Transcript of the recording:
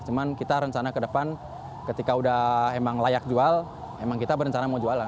cuman kita rencana ke depan ketika udah emang layak jual emang kita berencana mau jualan